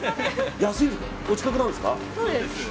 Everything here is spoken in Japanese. お近くなんですか？